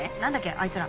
あいつら。